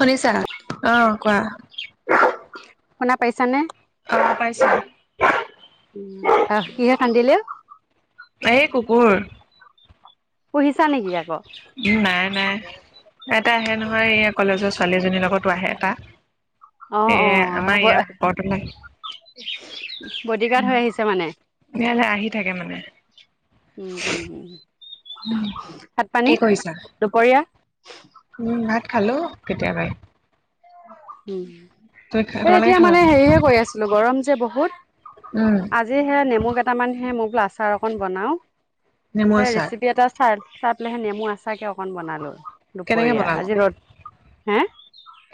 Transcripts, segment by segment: শুনিছা হেল্ল' অ' কোৱা? শুনা পাইছানে? অ' পাইছোঁ। আহ কিহে কান্দিলে? এই কুকুৰ পুহিচা নেকি আকৌ। উম, নাই নাই এটা আহে নহয়। এই কলেজৰ ছোৱালীজনীৰ লগতো আহে এটা অ', এই অ', আমাৰ ইয়াৰ বডি পখৰতল গাৰ্ড হৈ আহিছে মানে? উম। হেইয়াই আহি থাকে মানে উম, উম, উম, ভাত পানী কি কৰিছা? দুপৰীয়া? উম, ভাত খালোঁ কেতিয়াবাই। উম, তুমি এই তোমালোকে এতিয়া খালা মানে নাই? হেৰিহে কৰি আছিলোঁ। গৰম যে বহুত। উম'। আজি সেই নেমু এট মান সে মোক বোল আচাৰ অকণ বনাওঁ, নেমু স আচাৰ। ৰেচিপি এটা চাই চাই পেলাইহে নেমু আচাৰকে অকন বনালো কেনেকে দুপৰীয়া বনালা? আজি ৰ'দ হে'।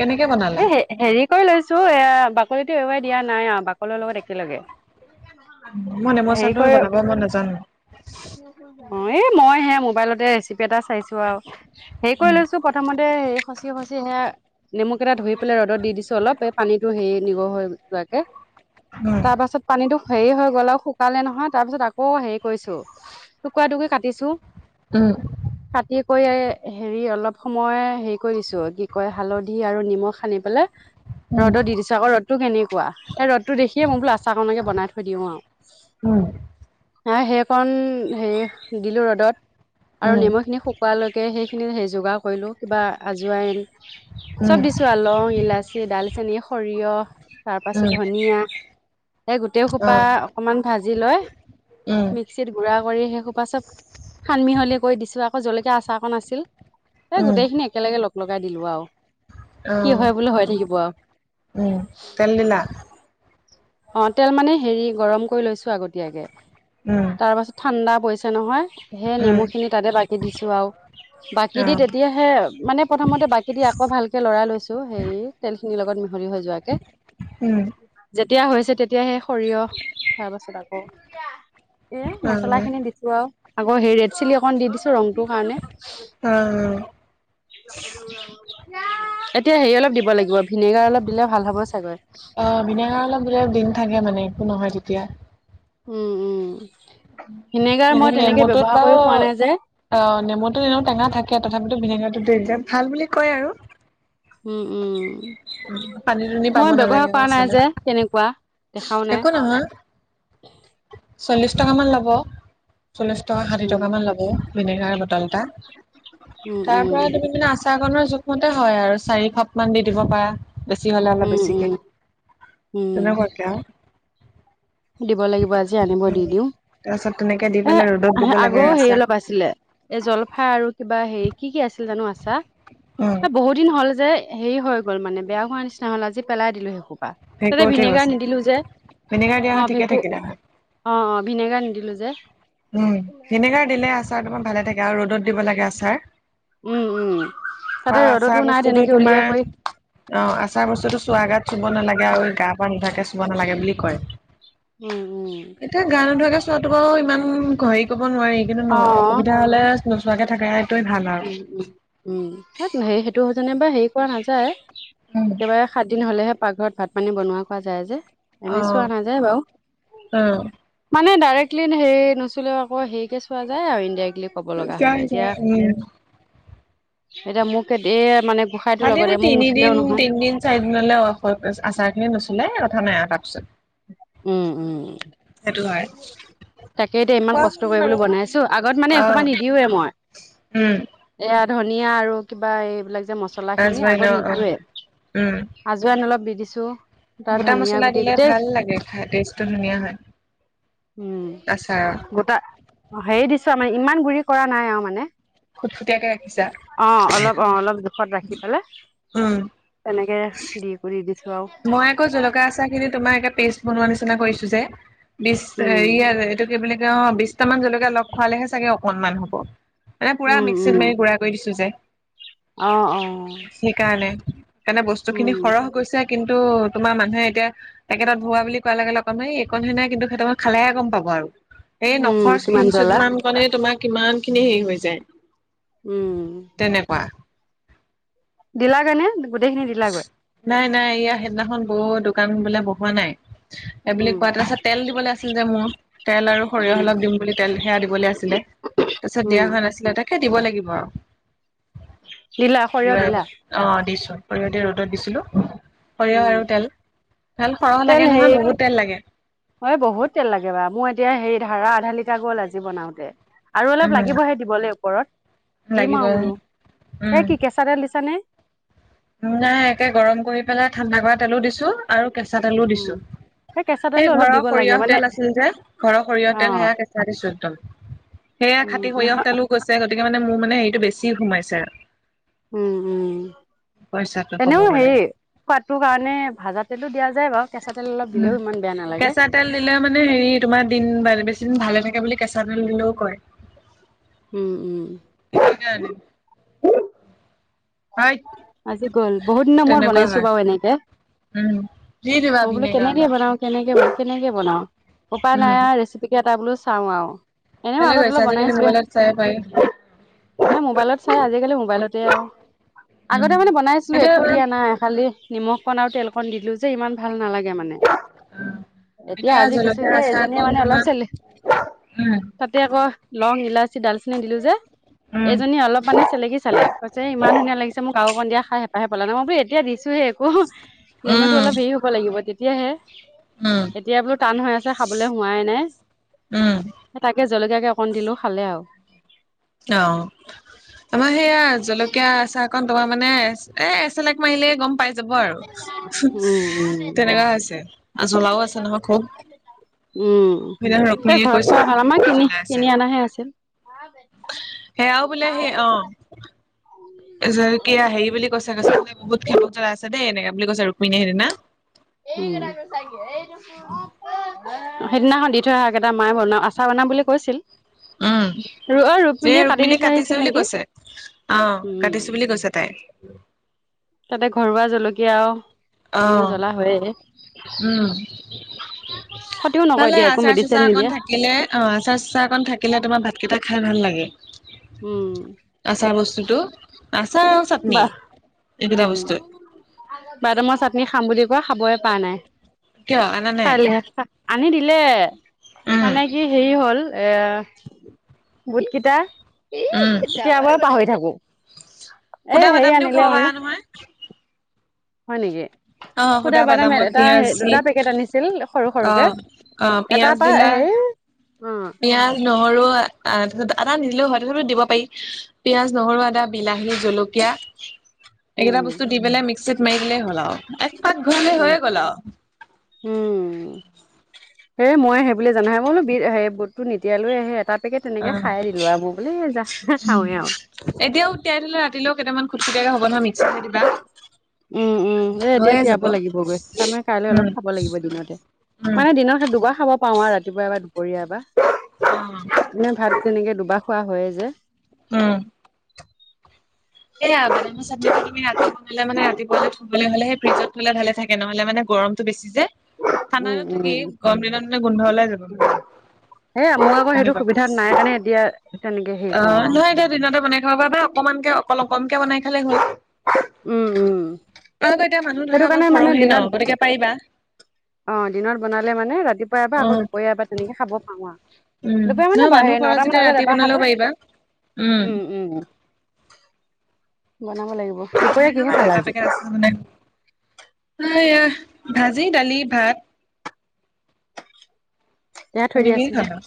কেনেকে বনালা? এই হেৰি কৰি লৈছো, এ বাকলিটো এৰাই দিয়া নাই আৰু বাকলিৰ লগত একেলগে মই নেমু হেৰি আচাৰটো কৰি বনাব মই নাজানো। অ' এই মই সেয়া মোবাইলতে ৰিচ পি এটা চাইছো আৰু, হেৰি কৰি লৈছো প্ৰথমতে সে খচি খচি সেইয়া নেমু কেইটা ধুই পেলাই ৰ'দত দি দিছো অলপ এই পানীটো হেৰি নিগৰ হৈ যোৱাকে। উম, তাৰ পাছত পানীটো হেৰি হৈ গ'ল আৰু শুকালে নহয়। তাৰ পিছত আকৌ হেৰি কৰিছো। টুকুৰা টুকুৰি কাটিছো। উম। কাটি কৰি হেৰি অলপ সময় হেৰি কৰি দিছো। কি কয় হালধি ধি আৰু নিমখ সনি পেলাই উম, ৰ'দত দি দিছো। চাকৈ ৰ'দটো কেনেকুৱা? সেই ৰ'দটো দেখিয়ে মই বোলো আচাৰকণকে বনাই থৈ দিওঁ আৰু। উম। নাই সেইখন হেৰি কন দিলো ৰ'দত, আৰু উম, নেমু খিনি শুক কুৱা লৈকে সেইখিনি সেই যোগাৰ কৰিলোঁ কিবা আজুৱাইন উম, চব দিছো আৰু লং ইলাচি ডালচেনি সৰিয়হ তাৰপাছত উম, ধনিয়া, এই গোটেই সোপা অ', অকমান ভাজি লৈ উম, মি ক্সিত গুড়া কৰি সেই সোপা চব সান মিহলি কৰি দিছো। আকৌ জলকীয়া আচাৰ অকণ আছিল। এই উম, গোটেইখিনি একেলগে লগ লগাই দিলো আৰু, কি অ', হয় বোলো হৈ থাকিব আৰু। উম, তেল দিলা? অ' তেল মানে হেৰি গৰম কৰি লৈছো আগতীয়াকে, উম, তাৰ পাছত ঠাণ্ডা পৰিছে নহয়, সেই উম। নেমু খিনি তাতে বাকী দিছো আৰু, বাকী দি অ', তে তিয়াহে মানে, প্ৰথমতে বাকী দি আকৌ ভালকে লৰাই লৈছোঁ হেৰি তেলখিনিৰ লগত মিহলি হৈ যোৱাকে। উম। যেতিয়া হৈছে তেতিয়া সেই সৰিয়হ তাৰ পাছত আকৌ এ মছলা অ', খিনি দি দিছো। আকৌ সেই ৰেড চিলি অকণ দি দিছো ৰংটোৰ কাৰণে। অ'। এতিয়া হেৰি অলপ দিব লাগিব, ভিনেগাৰ অলপ দিলে ভাল হ'ব চাগৈ। অ' ভিনেগাৰ অলপ দিলে দিন থাকে মানে একো নহয় তেতিয়া। উম, উম ভিনেগাৰ এনে মই তেনেকে নেমুটোত ব্যৱহাৰ বাৰু কৰিও পোৱা নাই যে। অ' নেমুটোত এনেও টেঙা থাকে তথাপিতো ভিনেগাৰটো দি দিলে ভাল বুলি কয় আৰু। উম, উম পানী দুনি পাব মই নালাগে ব্যৱহাৰ কৰা নাই আচলতে, যে কেনেকুৱা? একো নহয়, চল্লিশ টকামান ল'ব। চল্লিশ টকা ষাঠি উম টকা মান ল'ব ভিনেগাৰ বটল এটা। উম তাৰ পৰা উম তুমি মানে আচ চাৰ কনৰ জোখমতে হয় আৰু, চাৰি খাপ মান দি দিব পাৰা। বেছি হ'লে অলপ উম বেছিকে উম উম তেনেকুৱাকে আৰু। দিব লাগিব আজি আনিব দি উম, দিওঁ, তাৰপিছত তেনেকে দি এ পেলাই ৰ'দত দিব লাগে আগৰ হেৰি ৰাস্তা অলপ আছিলে। এ জলফাই আৰু কিবা হেৰি কি কি আছিল জানো আচাৰ। উম। এ বহু দিন হ'ল যে হেৰি হৈ গ'ল মানে বেয়া হোৱা নিচিনা হ'ল, আজি পেলাই দিলো সেইসোপা। হেৰি তাতে কৰি থৈ ভিনেগাৰ গৈছে। নিদিলো যে। ভিনেগাৰ দিয়া হয় ঠিকে থাকিলে হয়। অঁ অঁ, ভিনেগাৰ নিদিলো যে। উম, ভিনেগাৰ দিলে আচাৰ তোমাৰ ভালে থাকে আৰু ৰ'দত দিব লাগে আচাৰ। উম উম তাতে আৰু ৰ'দতো আচাৰ নাই বস্তুটো তেনেকে উলিয়াই তোমাৰ কৰি অঁ, আচাৰ বস্তুটো চোৱা গাত চুব নালাগে আৰু গা পা নুধাকে চুব নালাগে বুলি কয়। উম উম। টো বাৰু ইমান ঘৰি ক'ব নোৱাৰি কিন্তু ন অ অসুবিধা হলে নোচোৱাকে থাকাই উম উম উম, সেইটো যেনিবা হেৰি কৰা নাযায় উম, একেবাৰে সাত দিন হ'লেহে পাকঘৰত ভাত পানী বনোৱা খোৱা যায় যে, এনেই অ', চুৱা নাযায় বাও। অ', মানে ডাইৰেক্টলি হেৰি নুচুলেও আকৌ হেৰিকে চোৱা যায় আৰু ইনডাইৰেক্টলি ক'ব লগা যায় হ'লে, এতিয়া যায় উম। এতিয়া মোকে ধেৰিয়ে মানে গ তিনিদিন তিনদিন চাৰিদিনলে আচাৰ খিনি নুচুলে এই কথা নাই আৰু তাৰপিছত। উম। উম সেইটো হয়। তাকে এতিয়া ইমান কোৱা কষ্ট শুনো আৰু কৰিবলৈ বনাইছো, আগত মানে এসোপা অ', নিদিওঁৱে মই। উম। এয়া ধুনিয়া আৰু কিবা এইবিলাক যে মচলা খিনি আজমাইন আগত অ', অ', উম। নিদিওঁৱে। আজৱাইন অলপ দি দিছোঁ। গোটা মছলা দিলে ভাল লাগে খাই টেষ্টটো ধুনীয়া হয়। উম আচাৰৰ গোটা হেৰি দিছোঁ আৰু মানে ইমান গুৰি কৰা নাই আও মানে। খুটখুটীয়াকে ৰাখিছা অঁ অলপ অঁ অলপ জোখত ৰাখি পেলাই। উম তেনেকে দি কৰি দিছোঁ আৰু। মই আকৌ জলকীয়া আচাৰ খিনি তোমাৰ একে পেষ্ট বনোৱা নিচিনা কৰিছো যে বিশ উম হেৰিয়ে এইটো কি বুলি কয় অঁ বিশটা মান জলকীয়া লগ খোৱালেহে চাগে অকনমান হ'ব। এ পুৰা উম উম মিক্সিত মাৰি গুড়া কৰি দিছোঁ যে। অ অ সেইকাৰণে, সেইকৰণে বস্তু খিনি উম সৰহ গৈছে। কিন্তু তোমাৰ মানুহে এতিয়া পেকেটত ভৰোৱা বুলি কোৱাৰ লগে অকণমান এইকণহে নাই কিন্তু সহঁতেক খালেহে গম পাব আৰু। এই উম নখৰ কিমান স্কিনশুট জ্বলা মান কনে তোমাৰ কিমান খিনি হেৰি হৈ যায়। উম। তেনেকুৱা। দিলাগৈ নে গোটেইখিনি দিলাগৈ। নাই নাই ইয়াৰ সেইদিনাখন বৌ দোকান বোলে বহোৱা নাই। এইবুলি উম কোৱা তাৰপাছত তেল দিবলৈ আছিল যে মোৰ। তেল আৰু সৰিয়হ উম অলক দিম বুলি তেল সেয়া দিবলৈ আছিলে, তাৰপিছত উম দিয়া হোৱা নাছিলে তাইক হে দিব লাগিব আও দিলা সৰিয়হ দিলা অঁ দিছোঁ। দিছিলো সৰিয়হ উম আৰু তেল ভাল সৰহ তেল লাগে নহয় হেৰি লাগে বহুত তেল লাগে। হয় বহুত তেল লাগে বাৰু মোৰ এতিয়া হেৰি ধাৰা আধা লিটাৰ গ'ল আজি বনাওঁতে। আৰু অলপ উম লাগিবহে দিবলৈ ওপৰত, দিম লাগিব আও বোলো উম এ কি কেছ মিঠাতেল দিছানে? নাই একে গৰম কৰি পেলাই ঠাণ্ডা কৰা তেলো, দিছো আৰু কেঁচা তেলো উম দিছো। কেঁচা সেই তেলো অলপ ঘৰৰ দিব লাগে সৰিয়হ মানে তেল আছিল যে ঘৰৰ সৰিয়হ অ তেল সেয়া কেঁচা দিছো একদম। সেয়া উম খাটি নহয় সৰিয়হঁতেল‌ও গৈছে গতিকে মানে মোৰ মানে হেৰিটো বেছি সোমাইছে আৰু। উম উম, পইচাটো ক'ব এনেও গ'লে হেৰি সোৱাদটোৰ কাৰণে ভাজা তেলো দিয়া যায় বাৰু, কেঁচা তেল অলপ উম দিলেও ইমান বেয়া নালাগে। কেঁচা তেল দিলে মানে হেৰি তোমাৰ দিন মানে বেছি দিন ভালে থাকে বুলি কেঁচা তেল দিলেও কয় উম উম [unintelligible] আজি গ'ল বহুত দিনা মোৰত তেনেকুৱা বনাইছো হয় বাৰু এনেকে উম দি দিবা মই বোলো ভিনেগাৰ কেনেকে অলপ বনাও কেনেকে বন কেনেকে বনাও উপায় উম নাই ৰেচিপি কে এটা বোলো চাওঁ আও এনেও ভালে আগত কৰিছা অলপ আজিকালি বনাইছিলোঁ মোবাইলত চাই পাৰি হে মোবাইলত চাই আজিকালি মোবাইলতে আও উম আগতে মানে বনাইছিলোঁ এতিয়া একো দিয়া নাই খালি নিমখকণ আৰু তেলকণ দিলো যে ইমান ভাল নালাগে মানে এতিয়া আজি দিছোঁ জলকীয়া হেই আচাৰ এজনীয়ে অকণ মানে তোমাৰ চেলে উম তাতে আকৌ লং ইলাচি ডালচেনি দিলোঁ যে এজনী অলপ মানে চেলেকি চালে কৈছে ইমান ধুনীয়া লাগিছে আও মোক অকণ দিয়া খাই হেপাহে পলুৱা নাই মই বোলো এতিয়া দিছোঁ হে উহো, নেমটো উম অলপ হেৰি হ'ব লাগিব, তেতিয়াহে। উম। এতিয়া বোলো টান হৈ আছে, খাবলৈ হোৱাই নাই। উম। তাকে জলকীয়াকে অকণ দিলো খালে আৰু। অ'। আমাৰ সেয়া জলকীয়া আচাৰকন তোমাৰ মানে এ এচলেক মাৰিলেই গম পাই যাব আৰু, উম উম তেনেকুৱা হৈছে, জ্বলাও আছে নহয় খুব। উম', সেইদিনা সেই ৰুক্মিণীয়ে ঘৰত কৈছে খুৱাই ভাল, আমাৰ বহুত কিনি জ্বলা আছে। কিনি অনাহে আছিল। সেয়াও বোলে সেই অ'। জলকীয়া হেৰি বুলি কৈ কৈছে, কৈছে বহুত খেলোক জলা আছে দেই এনেকা বুলি কৈছে ৰুক্মীণী সেইদিনা। [unintelligible] সেইদিনাখন দি থৈ অহা কেইটা মায়ে বনাও আচাৰ বনাম বুলি কৈছিল। উম। ৰ অ এ কাটি দি ৰুক্মিণীয়ে থৈ আহিছিল কাটিছে বুলি নেকি কৈছে, অ', উম কাটিছে বুলি কৈছে তাই। তাতে ঘৰুৱা জলকীয়া আও, অ এনেও জ্বলা হয়ে। উম', ক্ষতিও নকয় ভালে দিয়া একো আচাৰ মেডিচিন চাচাৰ নিদিয়ে অকন থাক কিলে অ', আচাৰ চাচাৰ অকন থাকিলে তোমাৰ ভাতকেইটা খাই ভাল লাগে। উম। আচাৰ বস্তুটো তো, আচাৰ আৰু চাটনি বাহ এইকেইটা উম বস্তু। বাদামৰ চাটনি খাম বুলি কোৱা খাবই পৰা নাই, কিয় আনা নাই? কাইলৈহে আনি দিলে, উম, মানে কি হেৰি হ'ল এ বোট কেইটা উম, তিয়াবৈ পাহৰি থাকো। এ সুদা বাদাম হেৰি দিও খাব আনিলে পাৰা মানে। নহয়। হয় নেকি, অ', সুদা বাদাম বাদামত এটা পিয়াজ দি দুটা পেকেট আনিছিল সৰু সৰুকে। অ', অ', এটাৰ পা সেই পিঁয়াজ, নহৰু আহ তাৰপাছত আদা নিদিলেও হয়, তথাপিটো দিব পাই। পিয়াজ, নহৰু, আদা, বিলাহী, জলকীয়া। এইকেইটা উম, বস্তু দি পেলাই মিক্সিত মাৰি দিলেই হ'ল আও, এক পাক ঘূৰিলে উম, হৈয়ে গ'ল আৰু। উম সেই মই সেই বুলি জানাহে মই বোলো বিট সেই বুটতো নিতিয়া লোহে সেই এটা পেকেট তেনেকে অ'। খাই দিলো আও, এবোৰ বোলো এ যা খাওঁৱে আও টিয়াই থলো ৰাতিলেও কেইটামান খোটকুটিয়াকে হ'ব নহয় মিক্সাৰতহে দিবা। উম', উম', এ এতিয়া হৈয়ে যাব। তিয়াব লাগিব গৈ, তাৰমানে কাইলে উম, অলপ খাব লাগিব দিনতে। উম, মানে দিনত সেই দুবাৰ খাব পাওঁ আও ৰাতিপুৱা এবাৰ দুপৰীয়া এবাৰ। [unintelligible] এনে ভাত তেনেকে দুবাৰ খোৱা হয়ে যে। উম। এয়া বাদামৰ চাটনিটো তুমি ৰাতি বনালে মানে ৰাতিপুৱালে থবলৈ হ'লে সেই ফ্ৰজত থ'লে ভালে থাকে, নহ'লে মানে গৰম টো বেছি যে, ঠাণ্ডা উম, দিনত উম, থাকেই, গৰম দিনত মানে গোন্ধ ওলাই যাব। সেয়া মোৰ আকৌ সেইটো তেনেকুৱা সুবিধা নাই কাৰণে এতিয়া তেনেকে হে অ'। নহয়, এতিয়া দিনতে বনাই খাব পৰা বা অকণমানকে অকল অকলকে বনাই খালে হ'ল। [unintelligible] উম, উম, এতিয়া মানুহ ধৰা সেইটো অকমান কাৰণে মানে সৰহেই দিনত ন', গতিকে পাৰিবা। অ', দিনত বনালে মানে ৰাতিপুৱা অ এবাৰ, আকৌ দুপৰীয়া এবাৰ তেনেকে খাব পাওঁ আউ। উম। নহয়, মানুহ সৰহ যেতিয়া ৰাতি খালো বনালেও পাৰিবা। উম। বনাব লাগিব দুপৰীয়া কিহে [unintelligible] এটা খালা আজি এটাকৈ [unintelligible] এইয়া, ভাজি, দালি, ভাত। এইয়া থৈ দি তেনেকেই আচোন। খাবা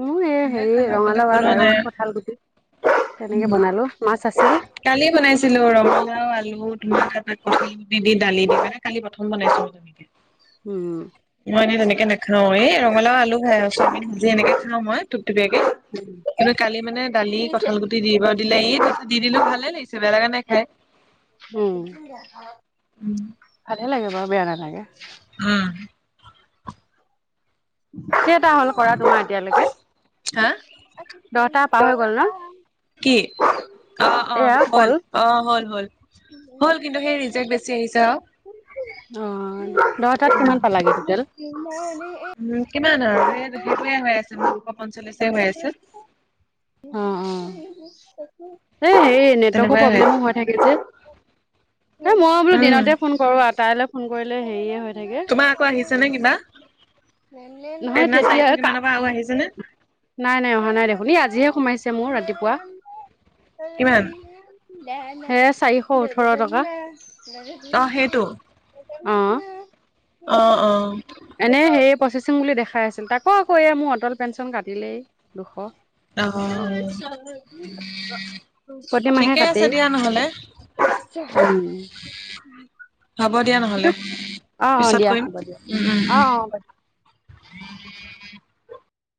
উ এয়া তেনেকে হেৰি খালা বেলেগ ৰঙালাও আগ বনোৱা আৰু নাই কঠাল গুটি তেনেকে উম বনালোঁ, মাছ আছিল। কালি বনাইছিলোঁ, ৰঙালাও আলু [unintelligible] কঠাল গুটি দি দালি মানে কালি প্ৰথম বনাইছিলোঁ। [unintelligible] উম। মই এনেই তেনেকে নেখাওঁ। এই ৰঙালাও আলু খাই আছোঁ। [unintelligible] এনেকে খাওঁ মই ধুপথুপীয়াকে। কিন্তু কালি মানে দালি, কঁঠাল গুট দিব দিলে ই, দি দিলোঁ। ভালে লাগিছে, বেয়া লাগা নাই খাই। উম। উম ভালে লাগে বাৰু বেয়া নালাগে। উম। কেটা হ'ল কৰা তোমাৰ এতিয়ালৈকে? দহটা পাৰ হৈ গ'ল কি ন'? অ অ এয়া হ'ল কল। অ', হ'ল। হ'ল। হ'ল কিন্তু সেই ৰিজেক্ট বেছি আহিছে আউ। অ', দহটাত কিমান পালাগে টোটেল? উমজ কিমান আৰু? এই সেইটোয়ে হৈ আছে, দুশ পঞ্চল্লিশে হৈ। অ', অ, এ হেৰী নেটৱৰ্কৰ তেনেকুৱাই আছে প্ৰব্লেমো হৈ থাকে যে। এ মই বোলো উম দিনতে ফোন কৰোঁ, আটাইলৈ ফোন কৰিলে হেৰিয়ে হয়। তোমাৰ আকৌ আহিছে নে কিবা [unintelligible] নহয় সেইদিনা তেতিয়া চাৰিশ কা কিমানৰ পৰা আৰু আহিছেনে নাই, নাই। অহা নাই দেখোন। এ আজিহে সোমাইছে মোৰ ৰাতিপুৱা। কিমান এৰে চাৰিশ ওঠৰ টকা। অ'। অ সেইটো অ অ এনে হেৰি প্ৰচেচিং বুলি দেখাই আছ তাকো আকৌ এইয়া মোৰ অটল পেঞ্চন কাটিলেই দুশ। অ অ প্ৰতিমাহে কাটেই। উম। ঠিকে আছে দিয়া অ' নহ'লে অ' দিয়া, হ'ব হ'ব দিয়া। নহ'লে অ' পিছত কৰিম অ', উম উম উম হ'ব।